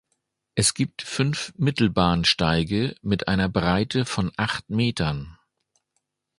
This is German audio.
Es gibt fünf Mittelbahnsteige mit einer Breite von acht Metern.